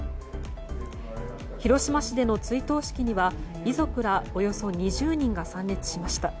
広島市での追悼式には遺族らおよそ２０人が参列しました。